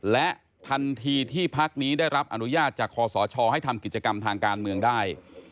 และทันทีที่พักนี้ได้รับอนุญาตจากคอสชให้ทำกิจกรรมทางการเมืองได้